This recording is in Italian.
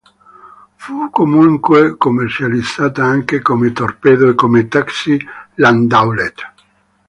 Fu comunque commercializzata anche come torpedo e come taxi-landaulet.